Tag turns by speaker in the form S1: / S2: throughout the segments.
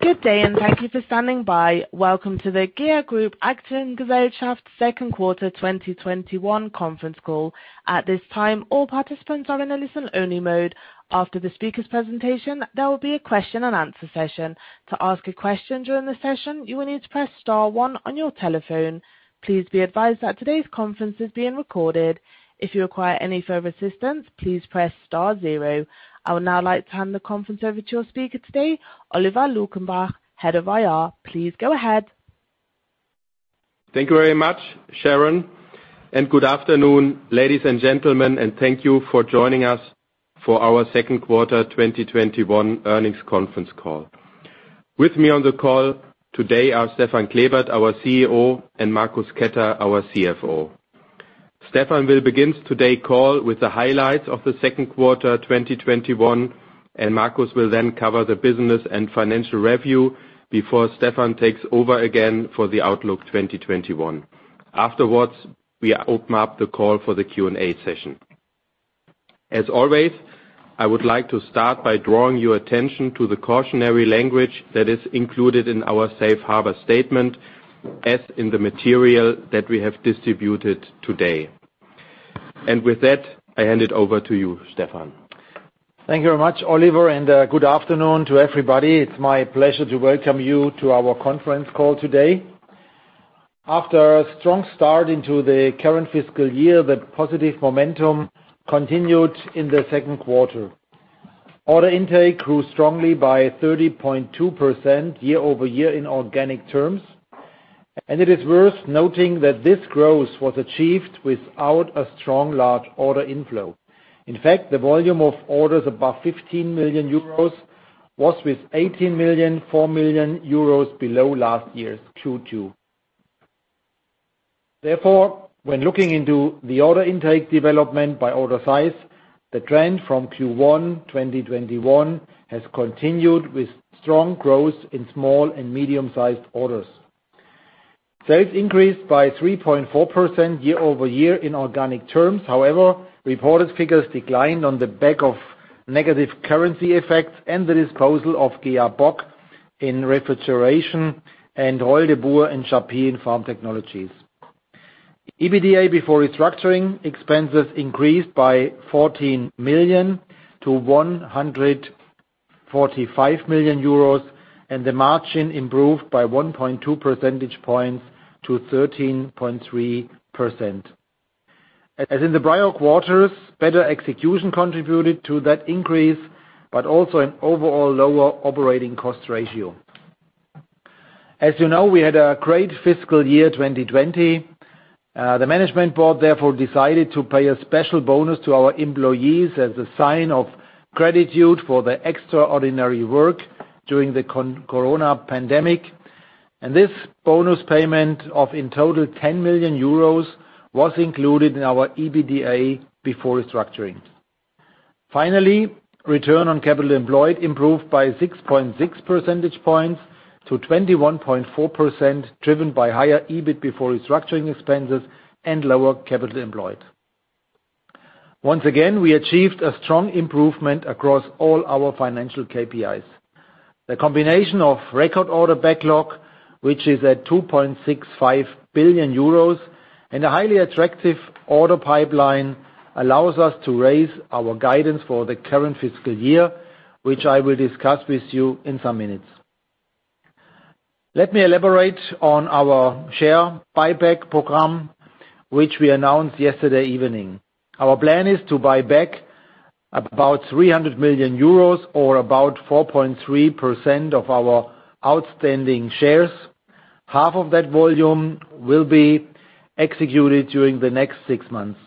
S1: Good day, and thank you for standing by. Welcome to the GEA Group Aktiengesellschaft second quarter 2021 conference call. At this time all participants are on listen-only mode after the speakers' presentation there would be a question-and-answer session. To ask a question during a session you will need to press star one on your telephone. Please be advised that todays' conference is being recorded. If you require any further assistance, please press star zero. I would now like to hand the conference over to your speaker today, Oliver Luckenbach, Head of IR. Please go ahead.
S2: Thank you very much, Sharon. Good afternoon, ladies and gentlemen, and thank you for joining us for our second quarter 2021 earnings conference call. With me on the call today are Stefan Klebert, our CEO, and Marcus Ketter, our CFO. Stefan will begin today's call with the highlights of the second quarter 2021, and Marcus will then cover the business and financial review before Stefan takes over again for the outlook 2021. Afterwards, we open up the call for the Q&A session. As always, I would like to start by drawing your attention to the cautionary language that is included in our safe harbor statement as in the material that we have distributed today. With that, I hand it over to you, Stefan.
S3: Thank you very much, Oliver. Good afternoon to everybody. It's my pleasure to welcome you to our conference call today. After a strong start into the current fiscal year, the positive momentum continued in the second quarter. Order intake grew strongly by 30.2% year-over-year in organic terms. It is worth noting that this growth was achieved without a strong large order inflow. In fact, the volume of orders above 15 million euros was with 18 million, 4 million euros below last year's Q2. When looking into the order intake development by order size, the trend from Q1 2021 has continued with strong growth in small and medium-sized orders. Sales increased by 3.4% year-over-year in organic terms. Reported figures declined on the back of negative currency effects and the disposal of GEA Bock in Refrigeration Technologies and Houle and Japy Farm Technologies. EBITDA before restructuring expenses increased by 14 million to 145 million euros, and the margin improved by 1.2 percentage points to 13.3%. As in the prior quarters, better execution contributed to that increase, but also an overall lower operating cost ratio. As you know, we had a great fiscal year 2020. The management board therefore decided to pay a special bonus to our employees as a sign of gratitude for the extraordinary work during the COVID pandemic, and this bonus payment of in total 10 million euros was included in our EBITDA before restructuring. Finally, return on capital employed improved by 6.6 percentage points to 21.4%, driven by higher EBIT before restructuring expenses and lower capital employed. Once again, we achieved a strong improvement across all our financial KPIs. The combination of record order backlog, which is at 2.65 billion euros, and a highly attractive order pipeline, allows us to raise our guidance for the current fiscal year, which I will discuss with you in some minutes. Let me elaborate on our share buyback program, which we announced yesterday evening. Our plan is to buy back about 300 million euros or about 4.3% of our outstanding shares. Half of that volume will be executed during the next six months.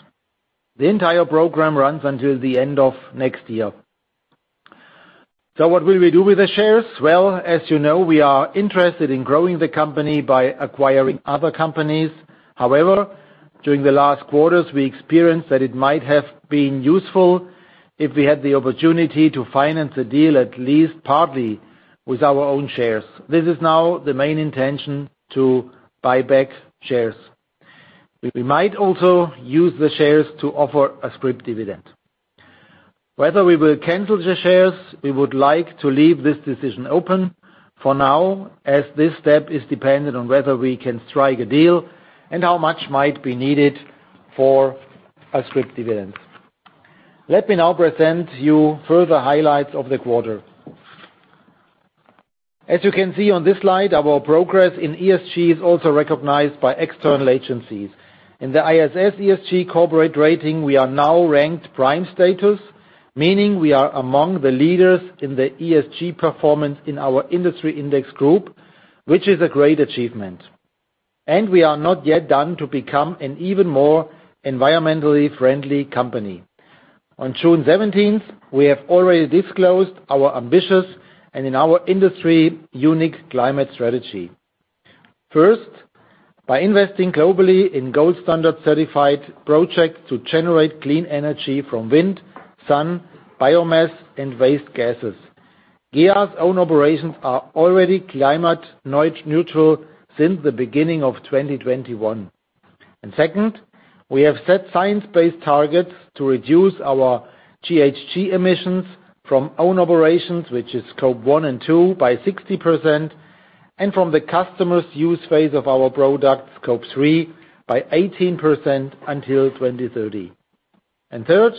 S3: The entire program runs until the end of next year. What will we do with the shares? Well, as you know, we are interested in growing the company by acquiring other companies. However, during the last quarters, we experienced that it might have been useful if we had the opportunity to finance a deal at least partly with our own shares. This is now the main intention to buy back shares. We might also use the shares to offer a scrip dividend. Whether we will cancel the shares, we would like to leave this decision open for now, as this step is dependent on whether we can strike a deal and how much might be needed for a scrip dividend. Let me now present you further highlights of the quarter. As you can see on this slide, our progress in ESG is also recognized by external agencies. In the ISS ESG Corporate Rating, we are now ranked prime status, meaning we are among the leaders in the ESG performance in our industry index group, which is a great achievement. We are not yet done to become an even more environmentally friendly company. On June 17th, we have already disclosed our ambitious and in our industry, unique climate strategy. First, by investing globally in gold standard certified projects to generate clean energy from wind, sun, biomass, and waste gases. GEA's own operations are already climate neutral since the beginning of 2021. Second, we have set science-based targets to reduce our GHG emissions from own operations, which is Scope 1 and 2, by 60%, and from the customer's use phase of our product, Scope 3, by 18% until 2030. Third,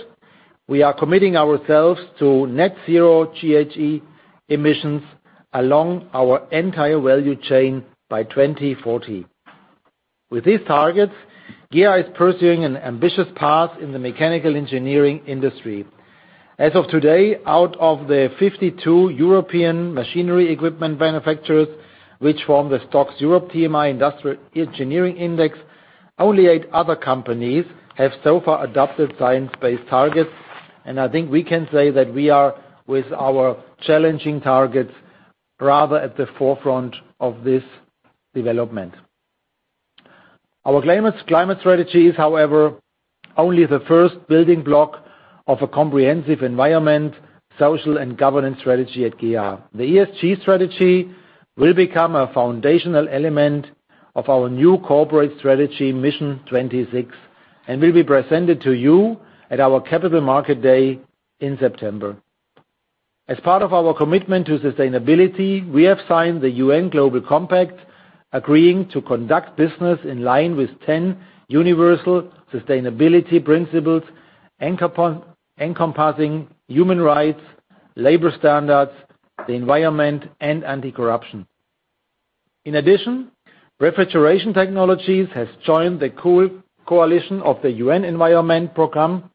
S3: we are committing ourselves to net-zero GHG emissions along our entire value chain by 2040. With these targets, GEA is pursuing an ambitious path in the mechanical engineering industry. As of today, out of the 52 European machinery equipment manufacturers, which form the STOXX Europe TMI Engineering Index, only eight other companies have so far adopted science-based targets, and I think we can say that we are, with our challenging targets, rather at the forefront of this development. Our climate strategy is, however, only the first building block of a comprehensive environment, social and governance strategy at GEA. The ESG strategy will become a foundational element of our new corporate strategy, Mission 26, and will be presented to you at our Capital Market Day in September. As part of our commitment to sustainability, we have signed the UN Global Compact, agreeing to conduct business in line with 10 universal sustainability principles, encompassing human rights, labor standards, the environment, and anti-corruption. In addition, Refrigeration Technologies has joined the Cool Coalition of the United Nations Environment Programme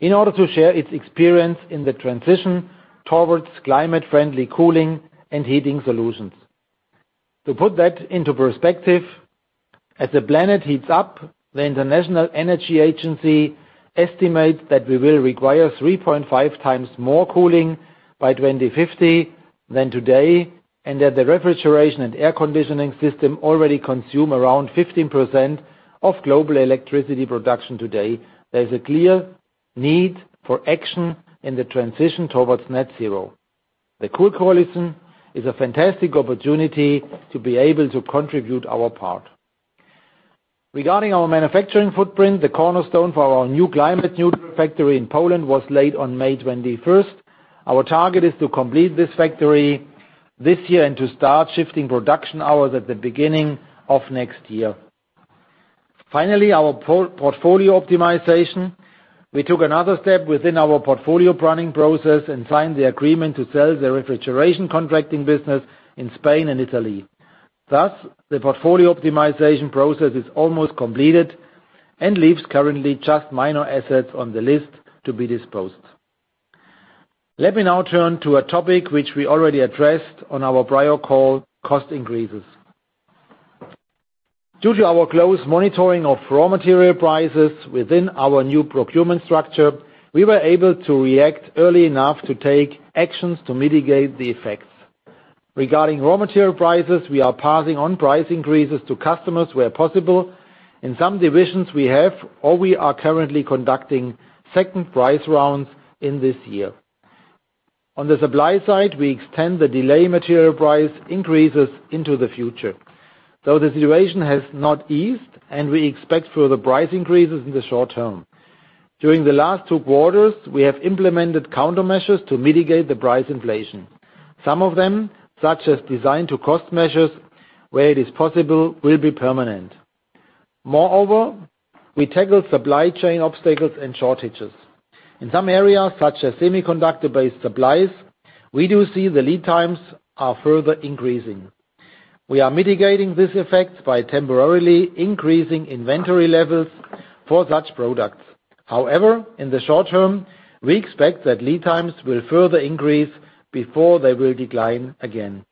S3: in order to share its experience in the transition towards climate-friendly cooling and heating solutions. To put that into perspective, as the planet heats up, the International Energy Agency estimates that we will require 3.5 times more cooling by 2050 than today, and that the refrigeration and air conditioning system already consume around 15% of global electricity production today. There's a clear need for action in the transition towards net-zero. The Cool Coalition is a fantastic opportunity to be able to contribute our part. Regarding our manufacturing footprint, the cornerstone for our new climate factory in Poland was laid on May 21st. Our target is to complete this factory this year and to start shifting production hours at the beginning of next year. Finally, our portfolio optimization. We took another step within our portfolio planning process and signed the agreement to sell the refrigeration contracting business in Spain and Italy. The portfolio optimization process is almost completed and leaves currently just minor assets on the list to be disposed. Let me now turn to a topic which we already addressed on our prior call, cost increases. Due to our close monitoring of raw material prices within our new procurement structure, we were able to react early enough to take actions to mitigate the effects. Regarding raw material prices, we are passing on price increases to customers where possible. In some divisions we are currently conducting second price rounds in this year. On the supply side, we extend the delay material price increases into the future, though the situation has not eased and we expect further price increases in the short term. During the last two quarters, we have implemented countermeasures to mitigate the price inflation. Some of them, such as design-to-cost measures where it is possible, will be permanent. Moreover, we tackle supply chain obstacles and shortages. In some areas, such as semiconductor-based supplies, we do see the lead times are further increasing. We are mitigating this effect by temporarily increasing inventory levels for such products. However, in the short term, we expect that lead times will further increase before they will decline again.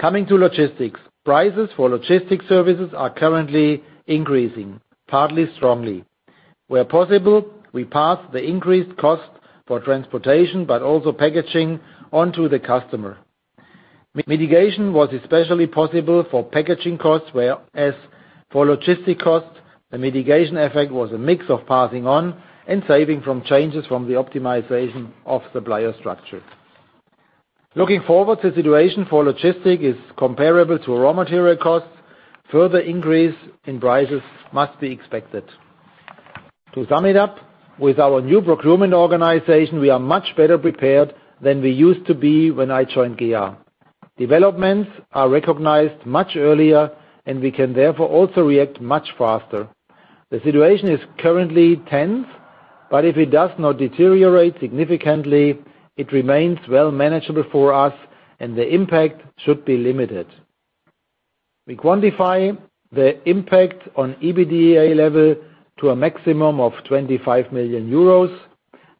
S3: Coming to logistics. Prices for logistics services are currently increasing, partly strongly. Where possible, we pass the increased cost for transportation, but also packaging, onto the customer. Mitigation was especially possible for packaging costs, whereas for logistic costs, the mitigation effect was a mix of passing on and saving from changes from the optimization of supplier structures. Looking forward, the situation for logistics is comparable to raw material costs. Further increase in prices must be expected. To sum it up, with our new procurement organization, we are much better prepared than we used to be when I joined GEA. Developments are recognized much earlier and we can therefore also react much faster. The situation is currently tense, but if it does not deteriorate significantly, it remains well manageable for us and the impact should be limited. We quantify the impact on EBITDA level to a maximum of 25 million euros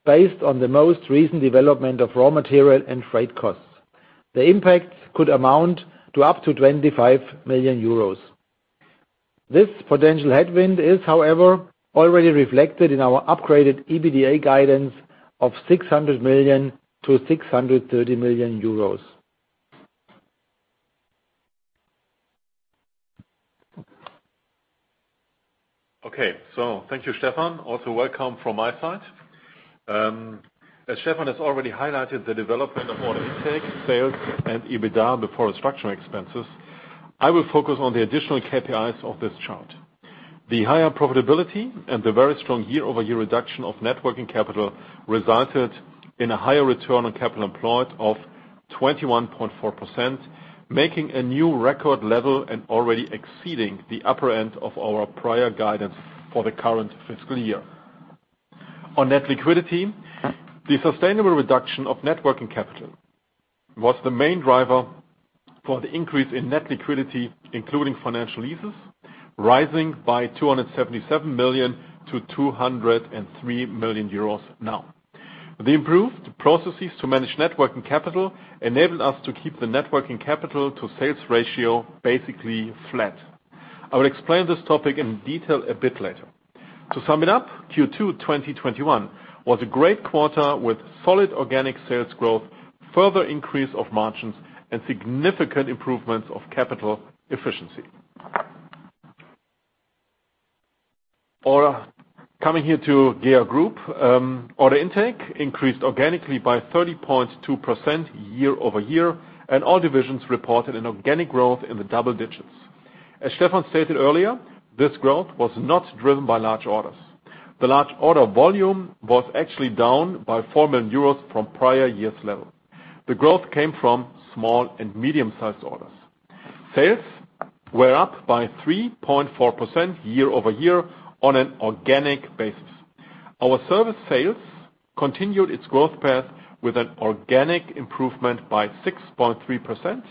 S3: based on the most recent development of raw material and freight costs. The impact could amount to up to 25 million euros. This potential headwind is, however, already reflected in our upgraded EBITDA guidance of EUR 600 million-EUR 630 million.
S4: Okay. Thank you, Stefan. Also welcome from my side. As Stefan has already highlighted the development of order intake, sales and EBITDA before structural expenses, I will focus on the additional KPIs of this chart. The higher profitability and the very strong year-over-year reduction of net working capital resulted in a higher return on capital employed of 21.4%, making a new record level and already exceeding the upper end of our prior guidance for the current fiscal year. On net liquidity, the sustainable reduction of net working capital was the main driver for the increase in net liquidity, including financial leases, rising by 277 million to 203 million euros now. The improved processes to manage net working capital enabled us to keep the net working capital to sales ratio basically flat. I will explain this topic in detail a bit later. To sum it up, Q2 2021 was a great quarter with solid organic sales growth, further increase of margins, and significant improvements of capital efficiency. Coming here to GEA Group. Order intake increased organically by 30.2% year-over-year, and all divisions reported an organic growth in the double digits. As Stefan stated earlier, this growth was not driven by large orders. The large order volume was actually down by 4 million euros from prior year's level. The growth came from small and medium-sized orders. Sales were up by 3.4% year-over-year on an organic basis. Our service sales continued its growth path with an organic improvement by 6.3%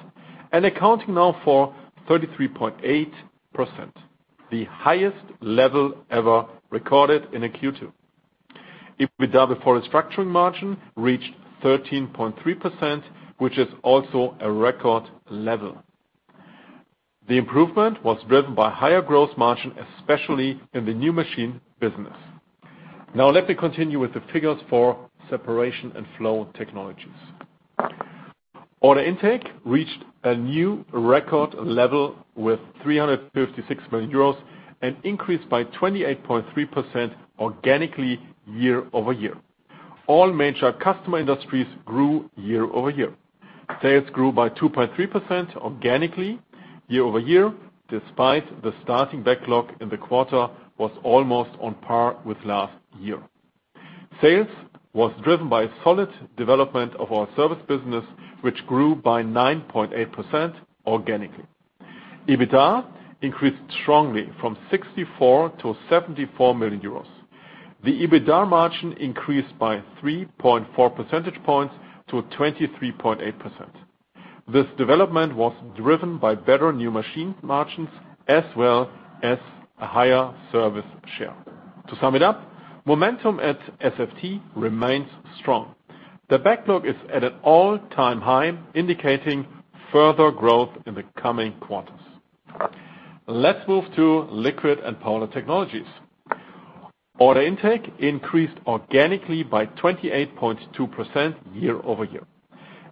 S4: and accounting now for 33.8%, the highest level ever recorded in a Q2. EBITDA before restructuring margin reached 13.3%, which is also a record level. The improvement was driven by higher growth margin, especially in the new machine business. Let me continue with the figures for Separation & Flow Technologies. Order intake reached a new record level with 356 million euros and increased by 28.3% organically year-over-year. All major customer industries grew year-over-year. Sales grew by 2.3% organically year-over-year, despite the starting backlog in the quarter was almost on par with last year. Sales was driven by solid development of our service business, which grew by 9.8% organically. EBITDA increased strongly from 64 million to 74 million euros. The EBITDA margin increased by 3.4 percentage points to 23.8%. This development was driven by better new machine margins as well as a higher service share. To sum it up, momentum at SFT remains strong. The backlog is at an all-time high, indicating further growth in the coming quarters. Let's move to Liquid & Powder Technologies. Order intake increased organically by 28.2% year-over-year.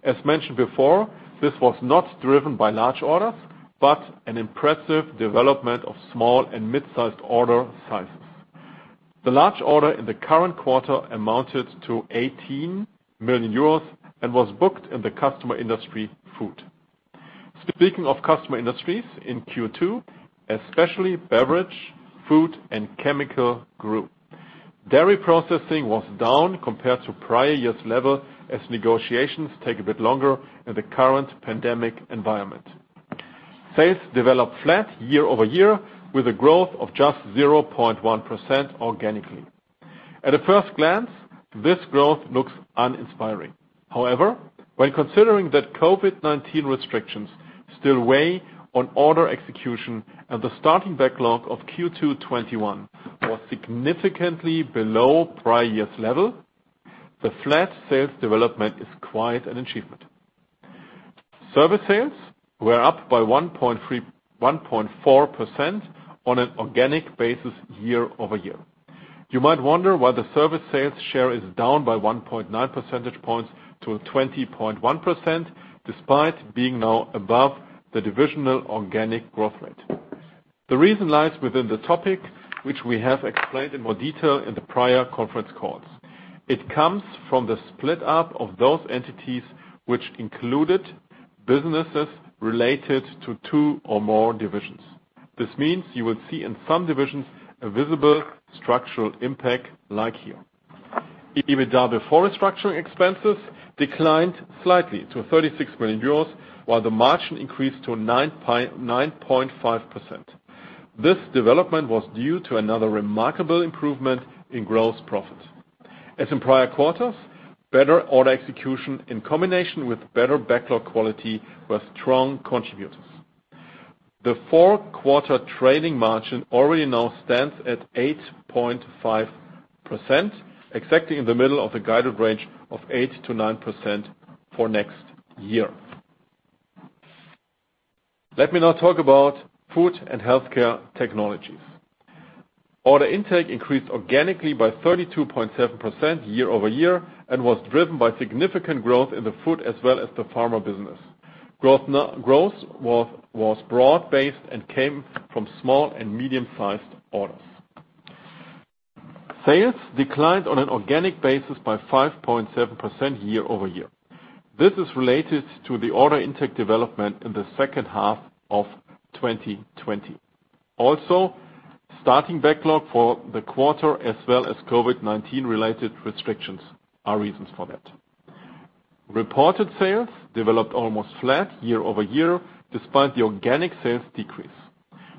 S4: As mentioned before, this was not driven by large orders, but an impressive development of small and mid-sized order sizes. The large order in the current quarter amounted to 18 million euros and was booked in the customer industry Food. Speaking of customer industries in Q2, especially Beverage, Food, and Chemical grew. Dairy Processing was down compared to prior year-over-year level as negotiations take a bit longer in the current pandemic environment. Sales developed flat year-over-year with a growth of just 0.1% organically. At a first glance, this growth looks uninspiring. However, when considering that COVID-19 restrictions still weigh on order execution and the starting backlog of Q2 2021 was significantly below prior year-over-year level, the flat sales development is quite an achievement. Service sales were up by 1.4% on an organic basis year-over-year. You might wonder why the service sales share is down by 1.9 percentage points to 20.1%, despite being now above the divisional organic growth rate. The reason lies within the topic which we have explained in more detail in the prior conference calls. It comes from the split up of those entities which included businesses related to two or more divisions. This means you will see in some divisions a visible structural impact like here. EBITDA before restructuring expenses declined slightly to 36 million euros, while the margin increased to 9.5%. This development was due to another remarkable improvement in gross profit. As in prior quarters, better order execution in combination with better backlog quality were strong contributors. The four-quarter trading margin already now stands at 8.5%, exactly in the middle of the guided range of 8%-9% for next year. Let me now talk about Food & Healthcare Technologies. Order intake increased organically by 32.7% year-over-year and was driven by significant growth in the food as well as the pharma business. Growth was broad based and came from small and medium-sized orders. Sales declined on an organic basis by 5.7% year-over-year. This is related to the order intake development in the second half of 2020. Also, starting backlog for the quarter, as well as COVID-19 related restrictions are reasons for that. Reported sales developed almost flat year-over-year, despite the organic sales decrease.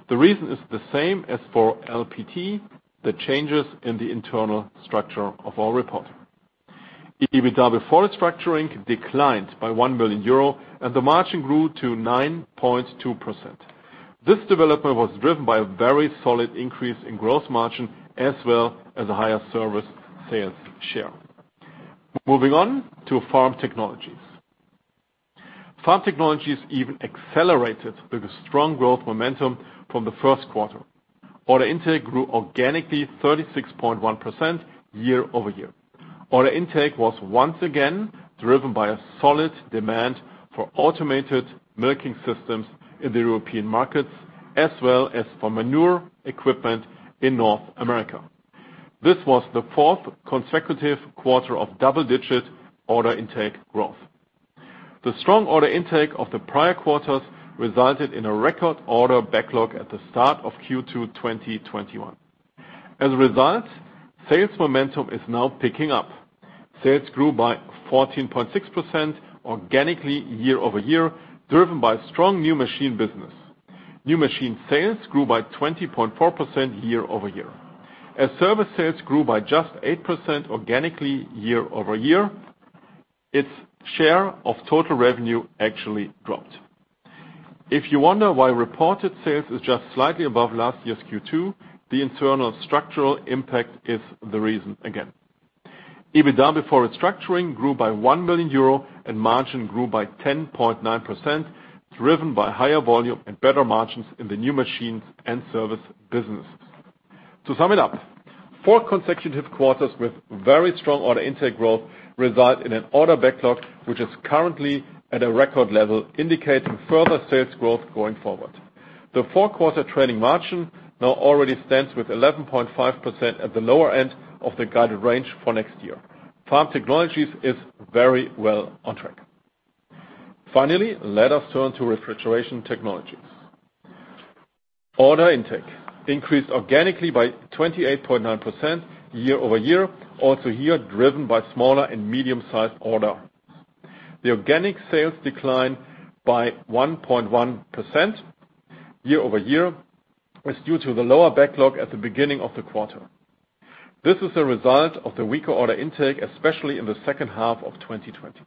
S4: The reason is the same as for LPT, the changes in the internal structure of our report. EBITDA before restructuring declined by 1 billion euro and the margin grew to 9.2%. This development was driven by a very solid increase in gross margin, as well as a higher service sales share. Moving on to Farm Technologies. Farm Technologies even accelerated with a strong growth momentum from the first quarter. Order intake grew organically 36.1% year-over-year. Order intake was once again driven by a solid demand for automated milking systems in the European markets, as well as for manure equipment in North America. This was the fourth consecutive quarter of double-digit order intake growth. The strong order intake of the prior quarters resulted in a record order backlog at the start of Q2 2021. As a result, sales momentum is now picking up. Sales grew by 14.6% organically year-over-year, driven by strong new machine business. New machine sales grew by 20.4% year-over-year. As service sales grew by just 8% organically year-over-year, its share of total revenue actually dropped. If you wonder why reported sales is just slightly above last year's Q2, the internal structural impact is the reason again. EBITDA before restructuring grew by 1 million euro and margin grew by 10.9%, driven by higher volume and better margins in the new machines and service businesses. Four consecutive quarters with very strong order intake growth result in an order backlog which is currently at a record level, indicating further sales growth going forward. The four-quarter trailing margin now already stands with 11.5% at the lower end of the guided range for next year. Farm Technologies is very well on track. Let us turn to Refrigeration Technologies. Order intake increased organically by 28.9% year-over-year, also here driven by smaller and medium-sized order. The organic sales declined by 1.1% year-over-year, was due to the lower backlog at the beginning of the quarter. This is a result of the weaker order intake, especially in the second half of 2020.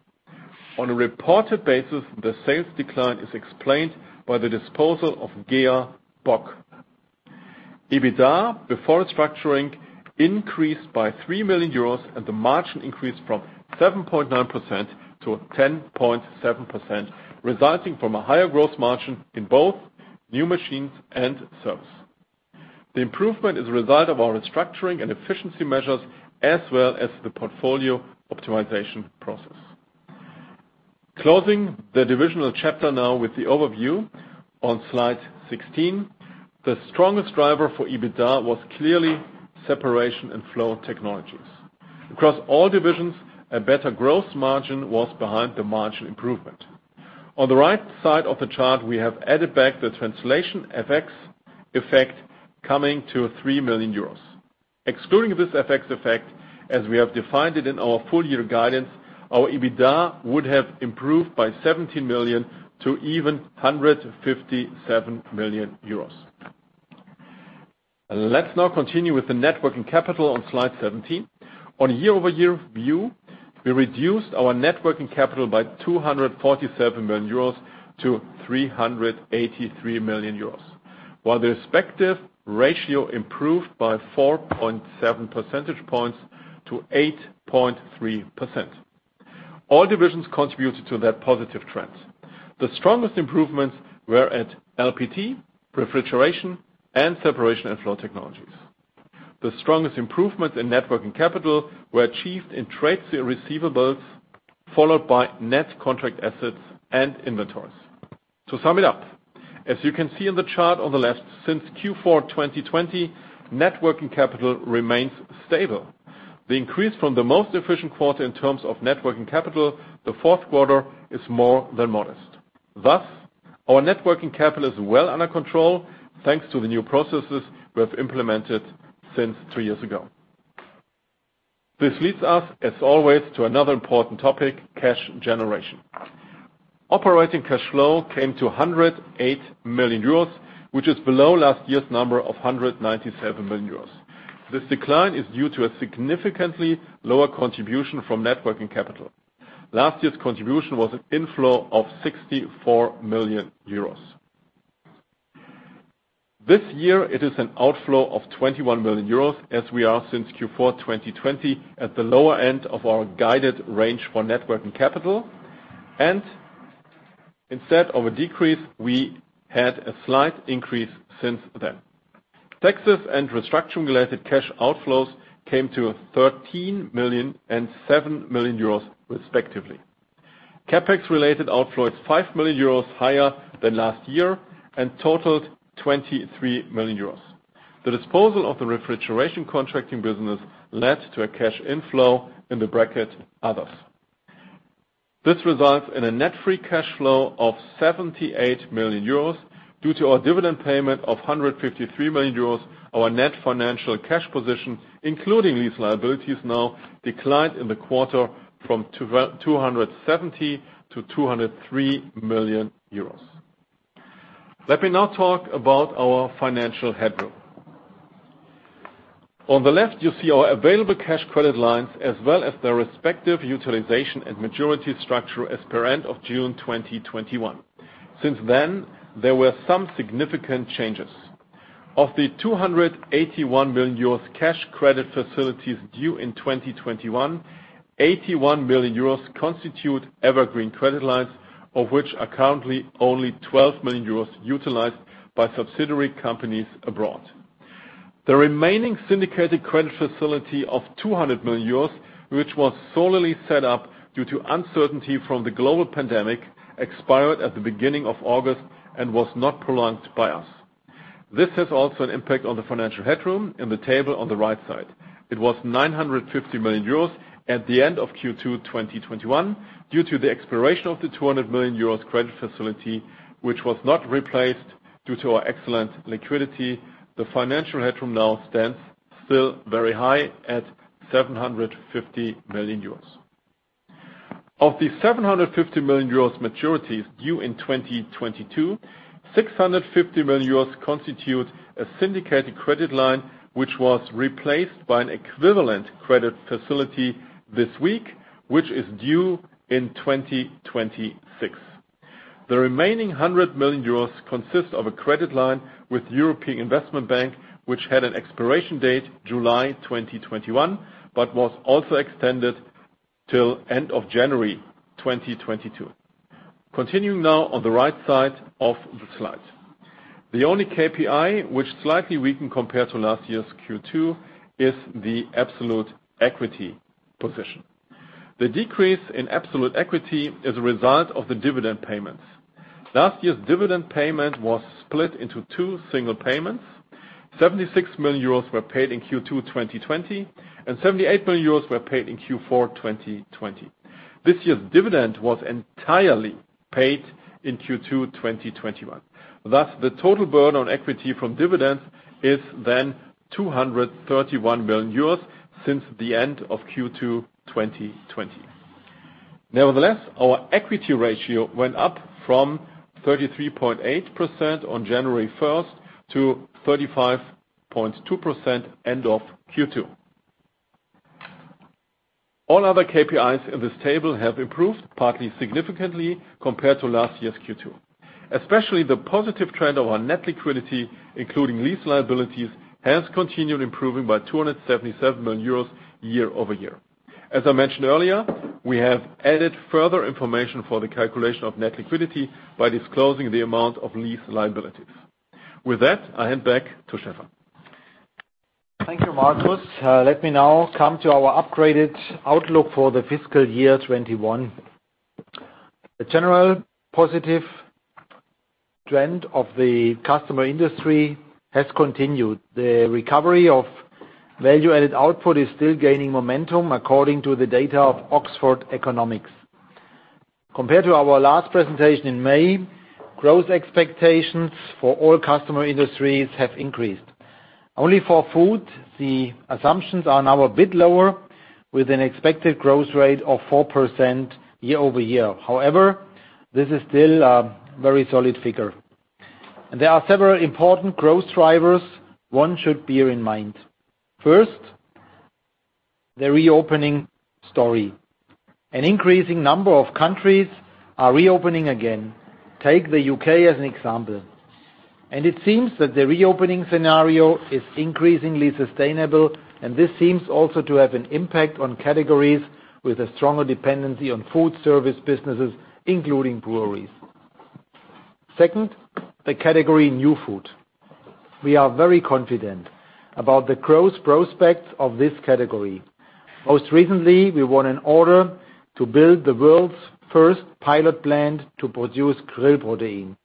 S4: On a reported basis, the sales decline is explained by the disposal of GEA Bock. EBITDA before restructuring increased by 3 million euros and the margin increased from 7.9% to 10.7%, resulting from a higher growth margin in both new machines and service. The improvement is a result of our restructuring and efficiency measures as well as the portfolio optimization process. Closing the divisional chapter now with the overview on slide 16. The strongest driver for EBITDA was clearly Separation & Flow Technologies. Across all divisions, a better growth margin was behind the margin improvement. On the right side of the chart, we have added back the translation FX effect coming to 3 million euros. Excluding this FX effect, as we have defined it in our full year guidance, our EBITDA would have improved by 17 million to even 157 million euros. Let's now continue with the net working capital on slide 17. On a year-over-year view, we reduced our net working capital by 247 million euros to 383 million euros, while the respective ratio improved by 4.7 percentage points to 8.3%. All divisions contributed to that positive trend. The strongest improvements were at LPT, Refrigeration, and Separation & Flow Technologies. The strongest improvements in net working capital were achieved in trade receivables, followed by net contract assets and inventories. To sum it up, as you can see in the chart on the left, since Q4 2020, net working capital remains stable. The increase from the most efficient quarter in terms of net working capital, the fourth quarter, is more than modest. Thus, our net working capital is well under control thanks to the new processes we have implemented since two years ago. This leads us, as always, to another important topic, cash generation. Operating cash flow came to 108 million euros, which is below last year's number of 197 million euros. This decline is due to a significantly lower contribution from net working capital. Last year's contribution was an inflow of 64 million euros. This year it is an outflow of 21 million euros, as we are since Q4 2020 at the lower end of our guided range for net working capital. Instead of a decrease, we had a slight increase since then. Taxes and restructuring related cash outflows came to 13 million and 7 million euros respectively. CapEx related outflows, 5 million euros higher than last year, and totaled 23 million euros. The disposal of the refrigeration contracting business led to a cash inflow in the bracket others. This results in a net free cash flow of 78 million euros. Due to our dividend payment of 153 million euros, our net financial cash position, including lease liabilities now, declined in the quarter from 270 million to 203 million euros. Let me now talk about our financial headroom. On the left, you see our available cash credit lines as well as their respective utilization and maturity structure as per end of June 2021. Since then, there were some significant changes. Of the 281 million euros cash credit facilities due in 2021, 81 million euros constitute evergreen credit lines, of which are currently only 12 million euros utilized by subsidiary companies abroad. The remaining syndicated credit facility of 200 million euros, which was solely set up due to uncertainty from the global pandemic, expired at the beginning of August and was not prolonged by us. This has also an impact on the financial headroom in the table on the right side. It was 950 million euros at the end of Q2 2021. Due to the expiration of the 200 million euros credit facility, which was not replaced due to our excellent liquidity, the financial headroom now stands still very high at 750 million euros. Of the 750 million euros maturities due in 2022, 650 million euros constitutes a syndicated credit line, which was replaced by an equivalent credit facility this week, which is due in 2026. The remaining 100 million euros consists of a credit line with European Investment Bank, which had an expiration date July 2021, but was also extended till end of January 2022. Continuing now on the right side of the slide. The only KPI, which slightly weakened compared to last year's Q2, is the absolute equity position. The decrease in absolute equity is a result of the dividend payments. Last year's dividend payment was split into two single payments. 76 million euros were paid in Q2 2020, and 78 million euros were paid in Q4 2020. This year's dividend was entirely paid in Q2 2021. Thus, the total burden on equity from dividends is then EUR 231 million since the end of Q2 2020. Nevertheless, our equity ratio went up from 33.8% on January 1st to 35.2% end of Q2. All other KPIs in this table have improved, partly significantly, compared to last year's Q2. Especially the positive trend of our net liquidity, including lease liabilities, has continued improving by 277 million euros year-over-year. As I mentioned earlier, we have added further information for the calculation of net liquidity by disclosing the amount of lease liabilities. With that, I hand back to Stefan.
S3: Thank you, Marcus. Let me now come to our upgraded outlook for the fiscal year 2021. The general positive trend of the customer industry has continued. The recovery of value-added output is still gaining momentum according to the data of Oxford Economics. Compared to our last presentation in May, growth expectations for all customer industries have increased. Only for food, the assumptions are now a bit lower, with an expected growth rate of 4% year-over-year. However, this is still a very solid figure. There are several important growth drivers one should bear in mind. First, the reopening story. An increasing number of countries are reopening again. Take the U.K. as an example. It seems that the reopening scenario is increasingly sustainable, and this seems also to have an impact on categories with a stronger dependency on food service businesses, including breweries. Second, the category new food. We are very confident about the growth prospects of this category. Most recently, we won an order to build the world's first pilot plant to produce krill protein.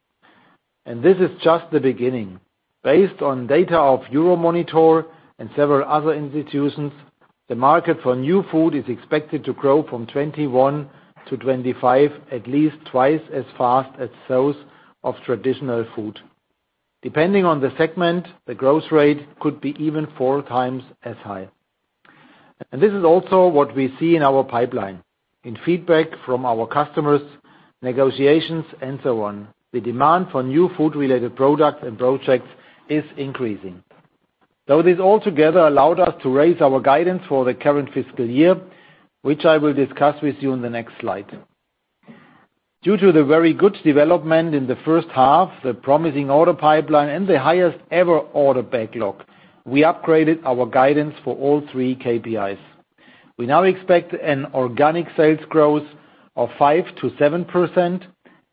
S3: This is just the beginning. Based on data of Euromonitor and several other institutions, the market for new food is expected to grow from 2021 to 2025, at least twice as fast as those of traditional food. Depending on the segment, the growth rate could be even four times as high. This is also what we see in our pipeline. In feedback from our customers, negotiations, and so on, the demand for new food-related products and projects is increasing. This all together allowed us to raise our guidance for the current fiscal year, which I will discuss with you in the next slide. Due to the very good development in the first half, the promising order pipeline, and the highest ever order backlog, we upgraded our guidance for all three KPIs. We now expect an organic sales growth of 5%-7%,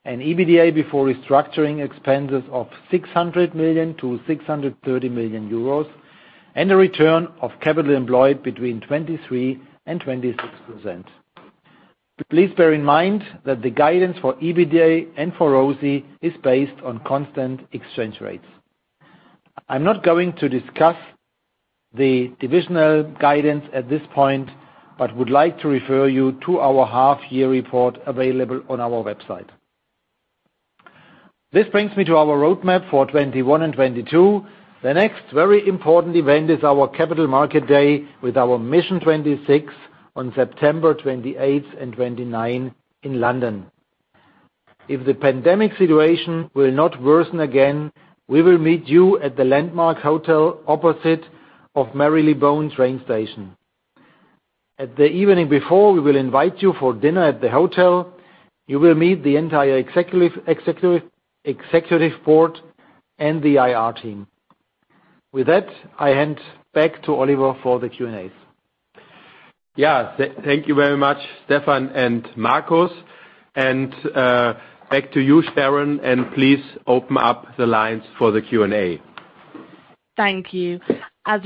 S3: an EBITDA before restructuring expenses of 600 million-630 million euros, and a return on capital employed between 23% and 26%. Please bear in mind that the guidance for EBITDA and for ROCE is based on constant exchange rates. I'm not going to discuss the divisional guidance at this point, but would like to refer you to our half-year report available on our website. This brings me to our roadmap for 2021 and 2022. The next very important event is our Capital Market Day with our Mission 26 on September 28th and 29th in London. If the pandemic situation will not worsen again, we will meet you at the Landmark Hotel opposite of Marylebone train station. At the evening before, we will invite you for dinner at the hotel. You will meet the entire Executive Board and the IR team. With that, I hand back to Oliver for the Q&As. Thank you very much, Stefan and Marcus. Back to you, Sharon, and please open up the lines for the Q&A.
S1: Thank you. Your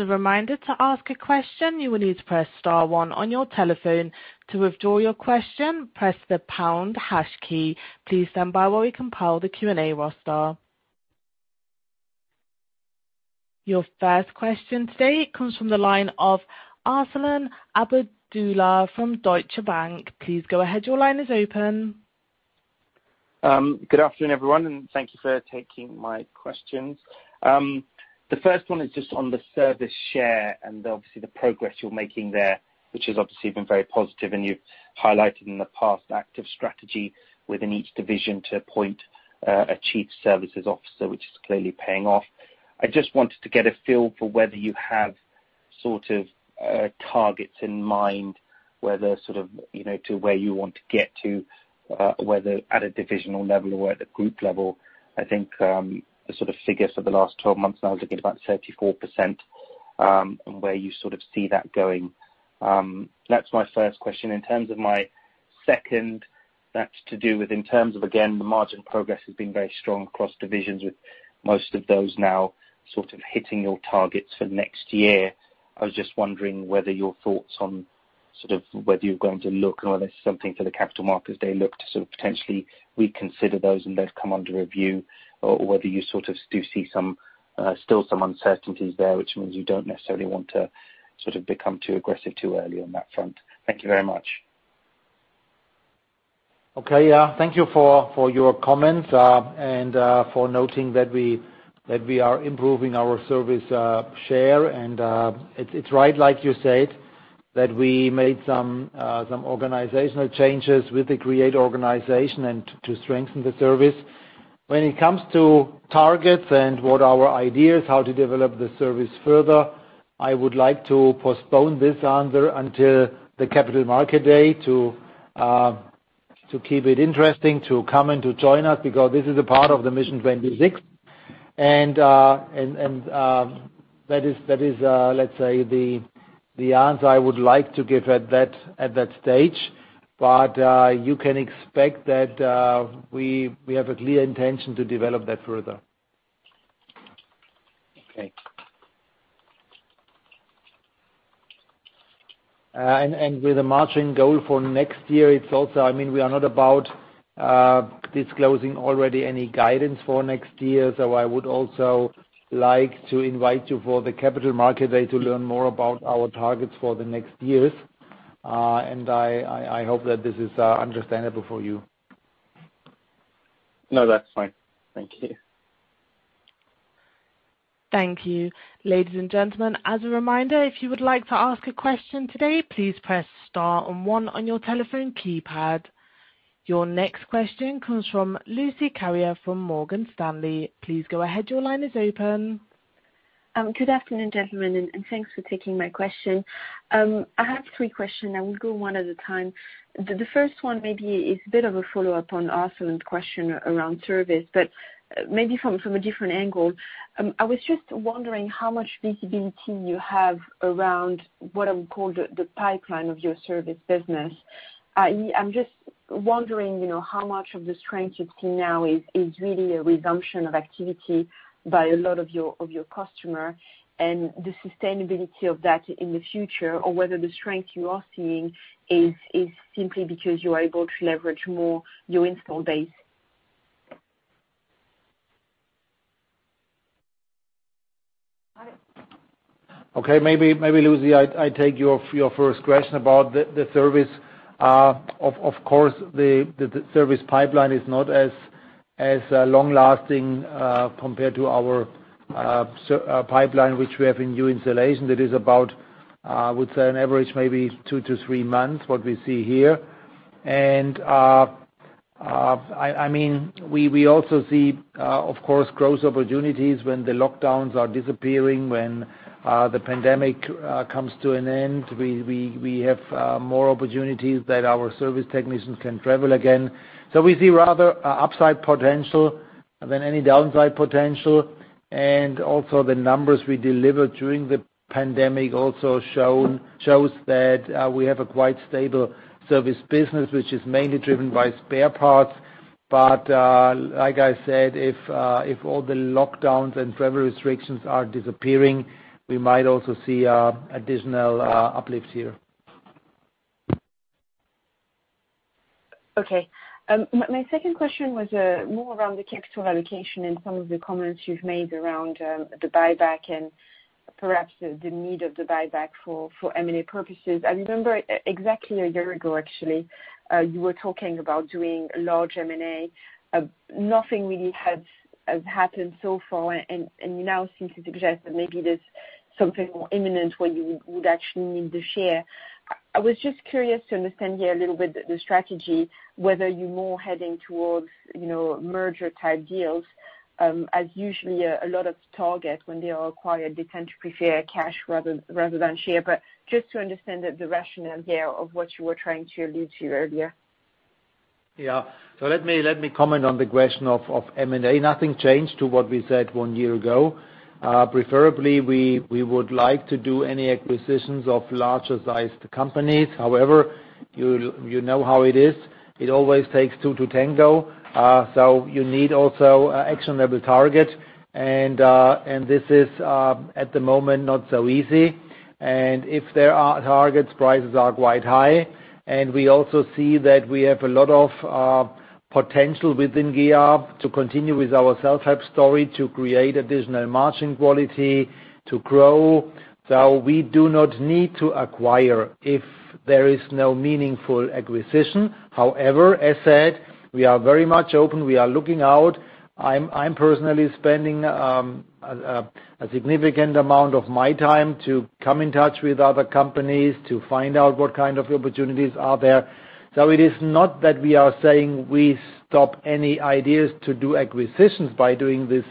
S1: first question today comes from the line of Arsalan Obaidullah from Deutsche Bank. Please go ahead. Your line is open.
S5: Good afternoon, everyone. Thank you for taking my questions. The first one is just on the service share and obviously the progress you're making there, which has obviously been very positive and you've highlighted in the past active strategy within each division to appoint a Chief Services Officer, which is clearly paying off. I just wanted to get a feel for whether you have sort of targets in mind, whether sort of to where you want to get to, whether at a divisional level or at the group level. I think, the sort of figures for the last 12 months now is looking about 34%, and where you sort of see that going? That's my first question. In terms of my second, that's to do with in terms of, again, the margin progress has been very strong across divisions with most of those now sort of hitting your targets for next year. I was just wondering whether your thoughts on sort of whether you're going to look or whether something for the Capital Markets Day look to sort of potentially reconsider those and they've come under review or whether you sort of do see still some uncertainties there, which means you don't necessarily want to sort of become too aggressive too early on that front? Thank you very much.
S3: Okay. Yeah. Thank you for your comments, and for noting that we are improving our service share. It's right, like you said, that we made some organizational changes with the corporate organization and to strengthen the service. When it comes to targets and what our ideas, how to develop the service further, I would like to postpone this answer until the Capital Market Day to keep it interesting, to come and to join us because this is a part of the Mission 26. That is, let's say the answer I would like to give at that stage. You can expect that we have a clear intention to develop that further.
S5: Okay.
S3: With the margin goal for next year, it's also, we are not about disclosing already any guidance for next year. I would also like to invite you for the Capital Market Day to learn more about our targets for the next years. I hope that this is understandable for you.
S5: No, that's fine. Thank you.
S1: Thank you. Ladies and gentlemen, as a reminder, if you would like to ask a question today, please press star and one on your telephone keypad. Your next question comes from Lucie Carrier from Morgan Stanley. Please go ahead. Your line is open.
S6: Good afternoon, gentlemen. Thanks for taking my question. I have three questions. I will go one at a time. The first one maybe is a bit of a follow-up on Arsalan's question around service, but maybe from a different angle. I was just wondering how much visibility you have around what I would call the pipeline of your service business. I'm just wondering, how much of the strength you've seen now is really a resumption of activity by a lot of your customer and the sustainability of that in the future, or whether the strength you are seeing is simply because you are able to leverage more your install base.
S3: Okay. Maybe Lucie, I take your first question about the service. Of course, the service pipeline is not as long-lasting compared to our pipeline, which we have in new installations. That is about, I would say on average, maybe two to three months, what we see here. We also see, of course, growth opportunities when the lockdowns are disappearing, when the pandemic comes to an end. We have more opportunities that our service technicians can travel again. We see rather a upside potential than any downside potential. Also the numbers we delivered during the pandemic also shows that we have a quite stable service business, which is mainly driven by spare parts. Like I said, if all the lockdowns and travel restrictions are disappearing, we might also see additional uplifts here.
S6: My second question was more around the capital allocation and some of the comments you've made around the buyback and perhaps the need of the buyback for M&A purposes. I remember exactly a year ago, actually, you were talking about doing large M&A. Nothing really has happened so far, and you now seem to suggest that maybe there's something more imminent where you would actually need the share. I was just curious to understand here a little bit, the strategy, whether you're more heading towards merger-type deals. As usually, a lot of targets when they are acquired, they tend to prefer cash rather than share. Just to understand the rationale there of what you were trying to allude to earlier.
S3: Yeah. Let me comment on the question of M&A. Nothing changed to what we said 1 year ago. Preferably, we would like to do any acquisitions of larger sized companies. However, you know how it is. It always takes two to tango. You need also actionable target and this is, at the moment, not so easy. If there are targets, prices are quite high. We also see that we have a lot of potential within GEA to continue with our self-help story, to create additional margin quality, to grow. We do not need to acquire if there is no meaningful acquisition. However, as said, we are very much open. We are looking out. I'm personally spending a significant amount of my time to come in touch with other companies, to find out what kind of opportunities are there. It is not that we are saying we stop any ideas to do acquisitions by doing this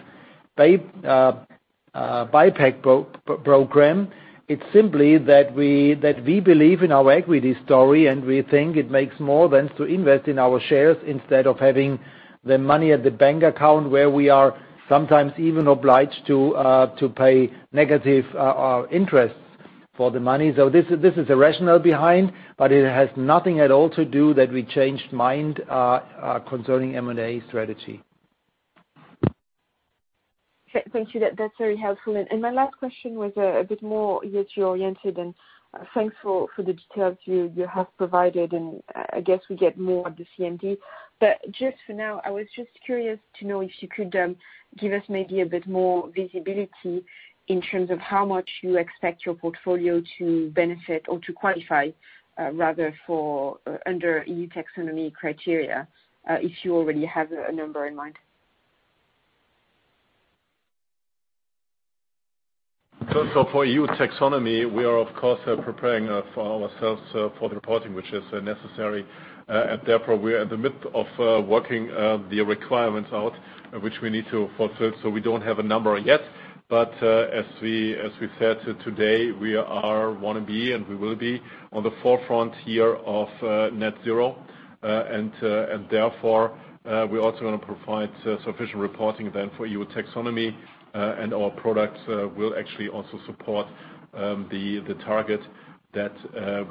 S3: buyback program. It's simply that we believe in our equity story, and we think it makes more sense to invest in our shares instead of having the money at the bank account where we are sometimes even obliged to pay negative interests for the money. This is the rationale behind, but it has nothing at all to do that we changed mind concerning M&A strategy.
S6: Thank you. That is very helpful. My last question was a bit more ESG oriented, and thanks for the details you have provided, and I guess we get more at the CMD. Just for now, I was just curious to know if you could give us maybe a bit more visibility in terms of how much you expect your portfolio to benefit or to qualify, rather for under EU taxonomy criteria, if you already have a number in mind?
S4: For EU taxonomy, we are of course, preparing for ourselves for the reporting, which is necessary. Therefore, we are in the midst of working the requirements out which we need to fulfill. We don't have a number yet. As we said today, we want to be and we will be on the forefront here of net-zero. Therefore, we are also going to provide sufficient reporting then for EU taxonomy. Our products will actually also support the target that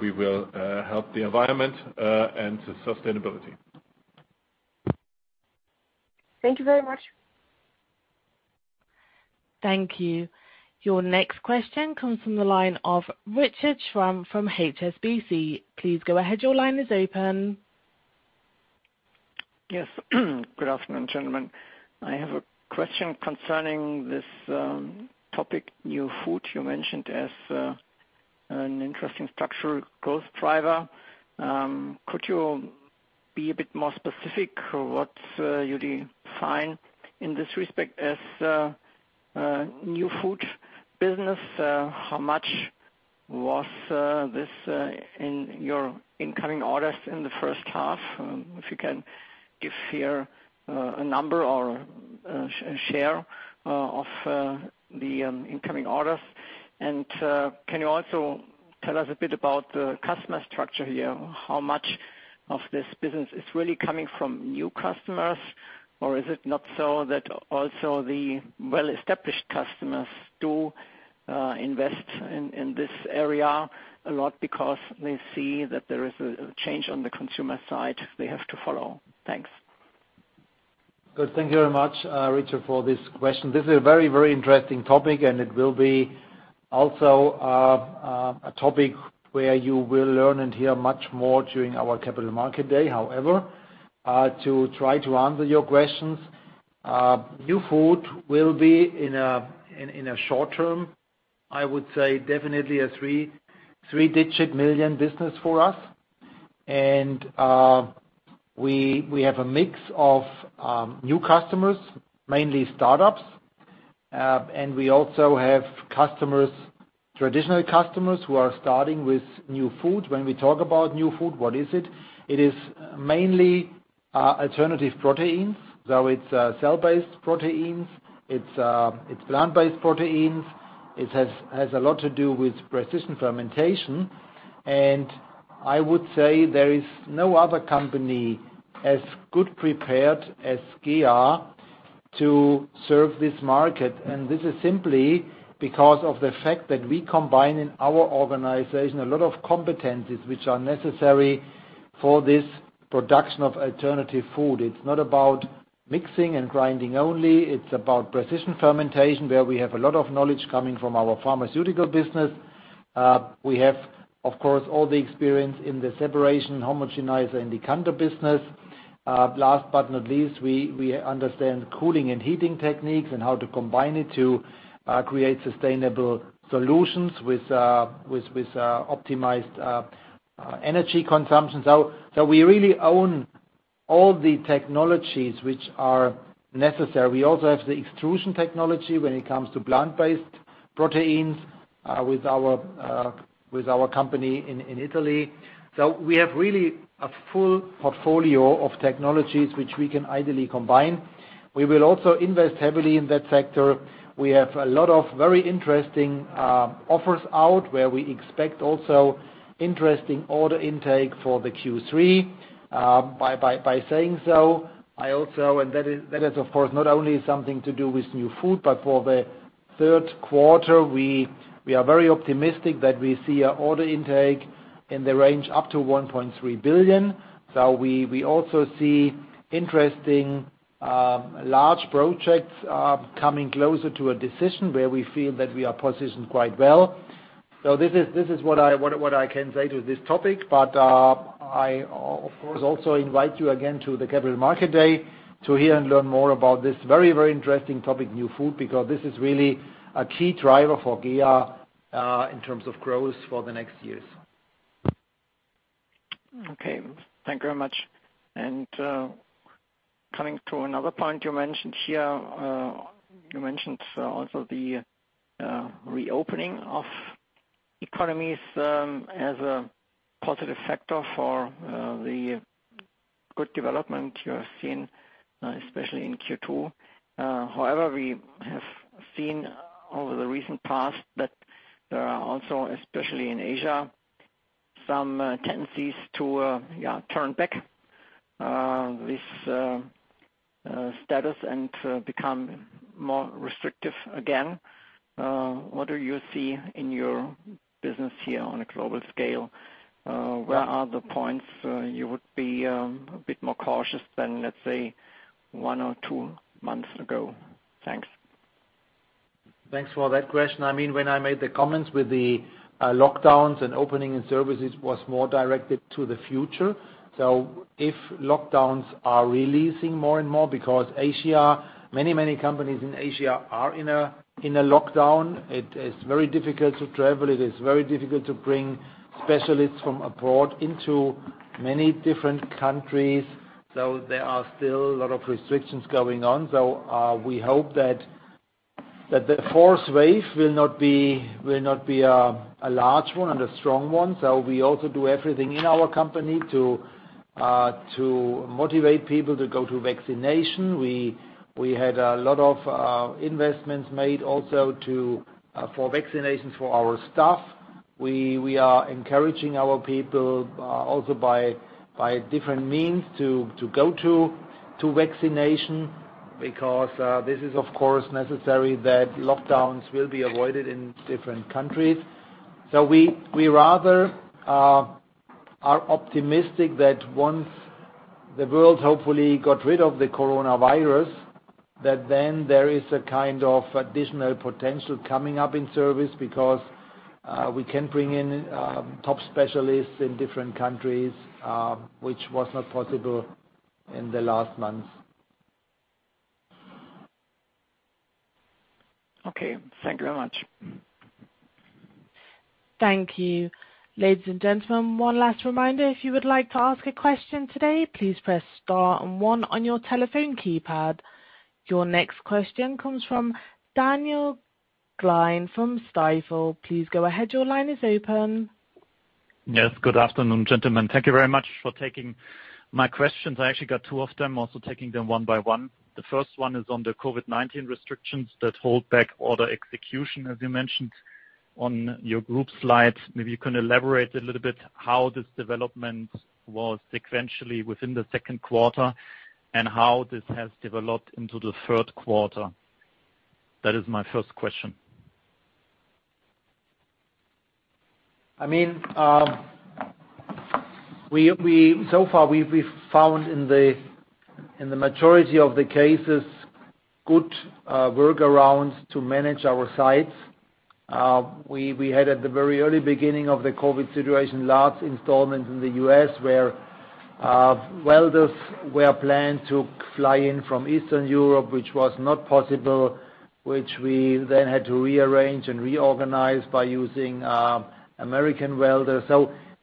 S4: we will help the environment, and sustainability.
S6: Thank you very much.
S1: Thank you. Your next question comes from the line of Richard Schramm from HSBC. Please go ahead. Your line is open.
S7: Yes. Good afternoon, gentlemen. I have a question concerning this topic, new food you mentioned as an interesting structural growth driver. Could you be a bit more specific what you define in this respect as new food business? How much was this in your incoming orders in the first half? If you can give here a number or a share of the incoming orders. Can you also tell us a bit about the customer structure here? How much of this business is really coming from new customers, or is it not so that also the well-established customers do invest in this area a lot because they see that there is a change on the consumer side they have to follow? Thanks.
S3: Good. Thank you very much, Richard, for this question. This is a very interesting topic, and it will be also a topic where you will learn and hear much more during our Capital Market Day. However, to try to answer your questions, new food will be in a short term, I would say definitely a EUR 3-digit million business for us. We have a mix of new customers, mainly startups. We also have traditional customers who are starting with new food. When we talk about new food, what is it? It is mainly alternative proteins. It's cell-based proteins, it's plant-based proteins. It has a lot to do with precision fermentation, I would say there is no other company as good prepared as GEA to serve this market. This is simply because of the fact that we combine in our organization a lot of competencies which are necessary for this production of alternative food. It's not about mixing and grinding only. It's about precision fermentation, where we have a lot of knowledge coming from our pharmaceutical business. We have, of course, all the experience in the separation homogenizer and decanter business. Last but not least, we understand cooling and heating techniques and how to combine it to create sustainable solutions with optimized energy consumption. We really own all the technologies which are necessary. We also have the extrusion technology when it comes to plant-based proteins, with our company in Italy. We have really a full portfolio of technologies which we can ideally combine. We will also invest heavily in that sector. We have a lot of very interesting offers out where we expect also interesting order intake for the Q3. By saying so, I also and that is of course not only something to do with new food, for the third quarter, we are very optimistic that we see an order intake in the range up to 1.3 billion. We also see interesting, large projects coming closer to a decision where we feel that we are positioned quite well. This is what I can say to this topic, I of course also invite you again to the Capital Market Day to hear and learn more about this very, very interesting topic, new food, because this is really a key driver for GEA in terms of growth for the next years.
S7: Okay. Thank you very much. Coming to another point you mentioned here. You mentioned also the reopening of economies as a positive factor for the good development you have seen, especially in Q2. However, we have seen over the recent past that there are also, especially in Asia, some tendencies to, yeah, turn back this status and to become more restrictive again. What do you see in your business here on a global scale? Where are the points you would be a bit more cautious than, let's say, one or two months ago? Thanks.
S3: Thanks for that question. When I made the comments with the lockdowns and opening and services was more directed to the future. If lockdowns are releasing more and more because Asia, many companies in Asia are in a lockdown. It is very difficult to travel. It is very difficult to bring specialists from abroad into many different countries. There are still a lot of restrictions going on. We hope that the fourth wave will not be a large one and a strong one. We also do everything in our company to motivate people to go to vaccination. We had a lot of investments made also for vaccinations for our staff. We are encouraging our people also by different means to go to vaccination because this is of course necessary that lockdowns will be avoided in different countries. We rather are optimistic that once the world hopefully got rid of the coronavirus, that then there is a kind of additional potential coming up in service because we can bring in top specialists in different countries, which was not possible in the last months.
S7: Okay. Thank you very much.
S1: Thank you. Ladies and gentlemen, one last reminder, if you would like to ask a question today, please press star and one on your telephone keypad. Your next question comes from Daniel Gleim from Stifel. Please go ahead. Your line is open.
S8: Yes, good afternoon, gentlemen. Thank you very much for taking my questions. I actually got two of them, also taking them one by one. The first one is on the COVID-19 restrictions that hold back order execution, as you mentioned on your group slides. Maybe you can elaborate a little bit how this development was sequentially within the second quarter and how this has developed into the third quarter. That is my first question.
S3: So far, we've found in the majority of the cases good workarounds to manage our sites. We had at the very early beginning of the COVID situation, large installments in the U.S. where welders were planned to fly in from Eastern Europe, which was not possible, which we then had to rearrange and reorganize by using American welders.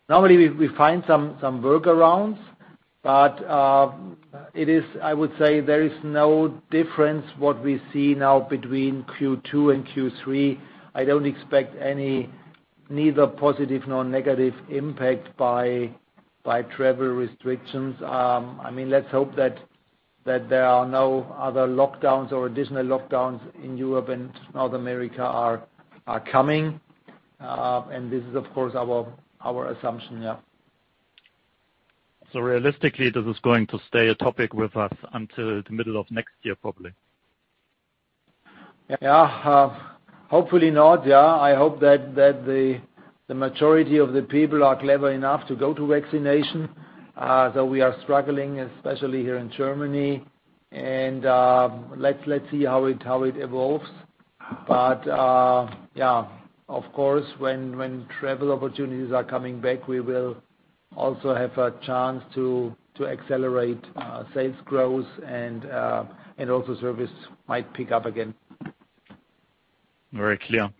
S3: Normally we find some workarounds, but I would say there is no difference what we see now between Q2 and Q3. I don't expect any, neither positive nor negative impact by travel restrictions. Let's hope that there are no other lockdowns or additional lockdowns in Europe and North America are coming. This is, of course, our assumption, yeah.
S8: Realistically, this is going to stay a topic with us until the middle of next year, probably.
S3: Yeah. Hopefully not, yeah. I hope that the majority of the people are clever enough to go to vaccination. We are struggling, especially here in Germany, and let's see how it evolves. Yeah, of course, when travel opportunities are coming back, we will also have a chance to accelerate sales growth and also service might pick up again.
S8: Very clear.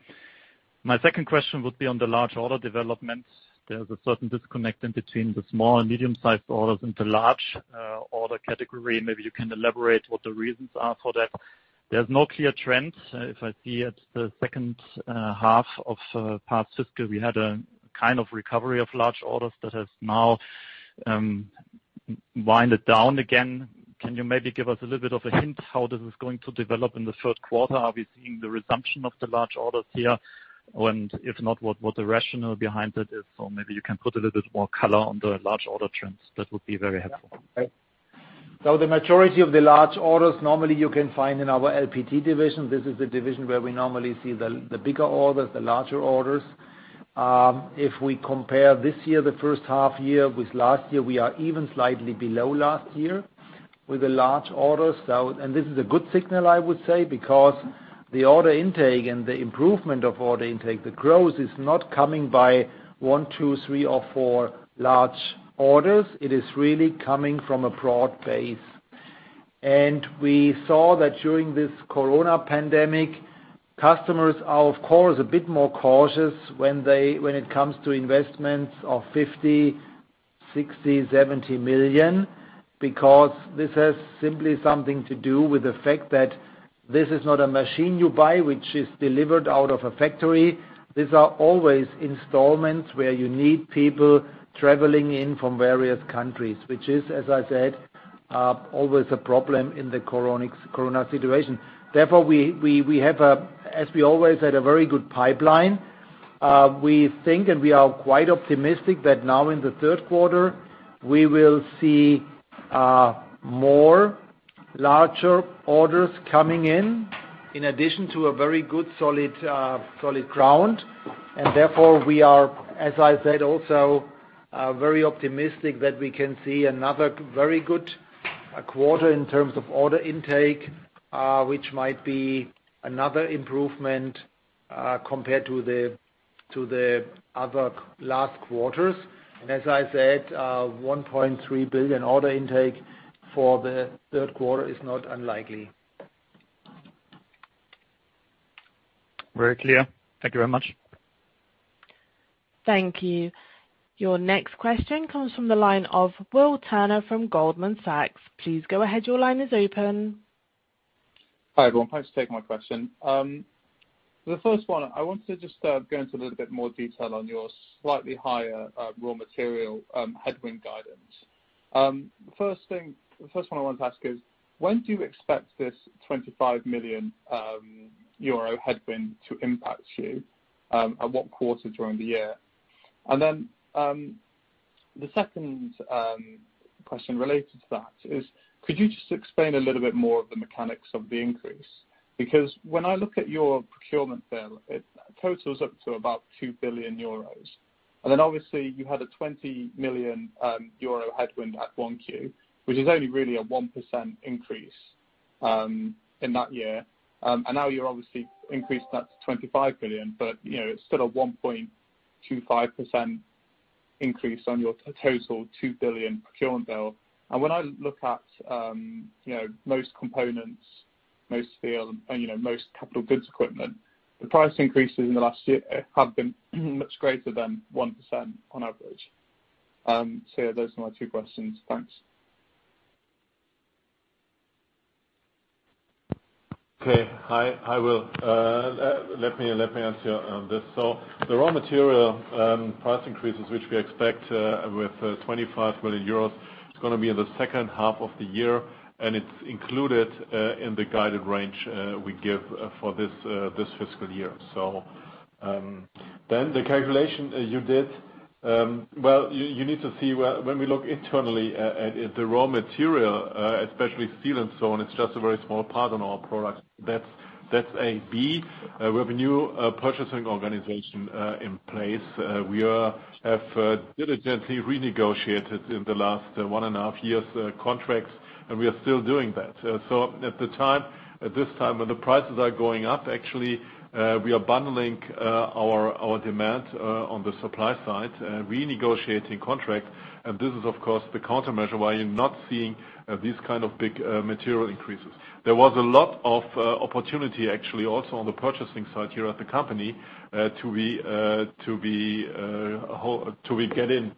S8: My second question would be on the large order developments. There's a certain disconnect in between the small and medium-sized orders and the large order category. Maybe you can elaborate what the reasons are for that. There's no clear trend. If I see at the second half of past fiscal, we had a kind of recovery of large orders that has now winded down again. Can you maybe give us a little bit of a hint how this is going to develop in the third quarter? Are we seeing the resumption of the large orders here? If not, what the rationale behind it is? Maybe you can put a little bit more color on the large order trends. That would be very helpful.
S3: The majority of the large orders, normally you can find in our LPT division. This is the division where we normally see the bigger orders, the larger orders. If we compare this year, the first half year with last year, we are even slightly below last year with the large orders. This is a good signal, I would say, because the order intake and the improvement of order intake, the growth is not coming by one, two, three, or four large orders. It is really coming from a broad base. We saw that during this coronavirus pandemic, customers are, of course, a bit more cautious when it comes to investments of 50 million, 60 million, 70 million because this has simply something to do with the fact that this is not a machine you buy, which is delivered out of a factory. These are always installments where you need people traveling in from various countries, which is, as I said, always a problem in the coronavirus situation. We have, as we always had, a very good pipeline. We think and we are quite optimistic that now in the third quarter, we will see more larger orders coming in addition to a very good, solid ground. Therefore, we are, as I said, also very optimistic that we can see another very good quarter in terms of order intake, which might be another improvement, compared to the other last quarters. As I said, 1.3 billion order intake for the third quarter is not unlikely.
S8: Very clear. Thank you very much.
S1: Thank you. Your next question comes from the line of Will Turner from Goldman Sachs. Please go ahead. Your line is open.
S9: Hi, everyone. Thanks for taking my question. I want to just go into a little bit more detail on your slightly higher raw material headwind guidance. I wanted to ask is, when do you expect this 25 million euro headwind to impact you? At what quarter during the year? The second question related to that is, could you just explain a little bit more of the mechanics of the increase? When I look at your procurement bill, it totals up to about 2 billion euros. Obviously you had a 20 million euro headwind at 1Q, which is only really a 1% increase in that year. Now you're obviously increased that to 25 million, but it's still a 1.25% increase on your total 2 billion procurement bill. When I look at most components, most steel, and most capital goods equipment, the price increases in the last year have been much greater than 1% on average. Yeah, those are my two questions. Thanks.
S4: Hi, Will. Let me answer this. The raw material price increases, which we expect with 25 million euros, is going to be in the second half of the year, and it's included in the guided range we give for this fiscal year. The calculation you did, well, you need to see when we look internally at the raw material, especially steel and so on, it's just a very small part on our products. That's A. B, we have a new purchasing organization in place. We have diligently renegotiated in the last one and a half years contracts, and we are still doing that. At this time, when the prices are going up, actually, we are bundling our demand on the supply side, renegotiating contracts, and this is of course the countermeasure why you're not seeing these kind of big material increases. There was a lot of opportunity actually also on the purchasing side here at the company, till we get in.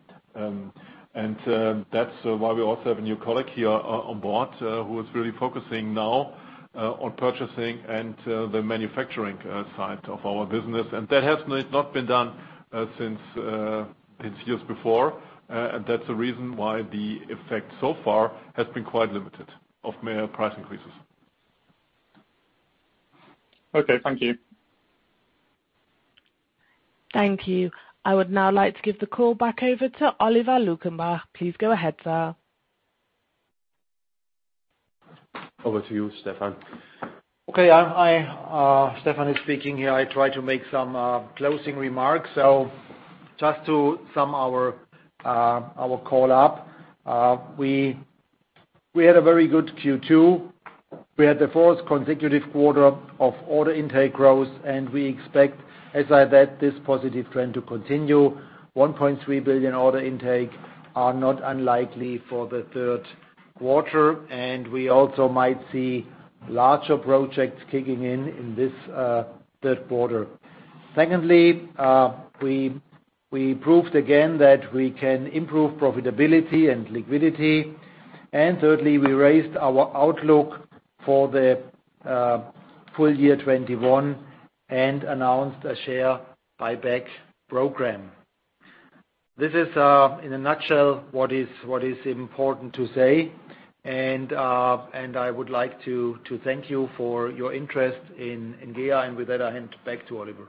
S4: That's why we also have a new colleague here on board, who is really focusing now on purchasing and the manufacturing side of our business. That has not been done since years before. That's the reason why the effect so far has been quite limited of price increases.
S9: Okay, thank you.
S1: Thank you. I would now like to give the call back over to Oliver Luckenbach. Please go ahead, sir.
S2: Over to you, Stefan.
S3: Okay. Stefan is speaking here. I try to make some closing remarks. Just to sum our call up, we had a very good Q2. We had the fourth consecutive quarter of order intake growth, and we expect, as I said, this positive trend to continue. 1.3 billion order intake are not unlikely for the third quarter, and we also might see larger projects kicking in in this third quarter. Secondly, we proved again that we can improve profitability and liquidity. Thirdly, we raised our outlook for the full year 2021 and announced a share buyback program. This is, in a nutshell, what is important to say. I would like to thank you for your interest in GEA. With that, I hand back to Oliver.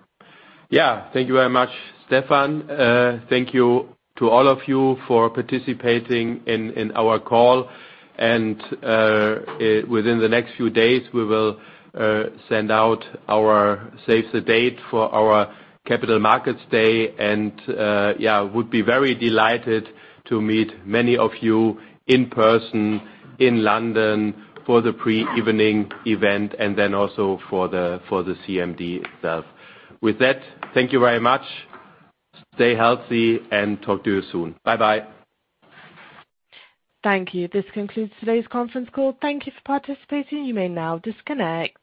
S2: Yeah. Thank you very much, Stefan. Thank you to all of you for participating in our call. Within the next few days, we will send out our save the date for our Capital Markets Day. Yeah, would be very delighted to meet many of you in person in London for the pre-evening event, and then also for the CMD itself. With that, thank you very much. Stay healthy, and talk to you soon. Bye-bye.
S1: Thank you. This concludes today's conference call. Thank you for participating. You may now disconnect.